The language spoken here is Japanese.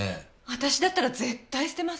私だったら絶対捨てます。